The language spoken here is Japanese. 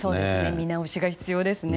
見直しが必要ですね。